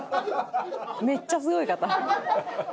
めっちゃすごい方。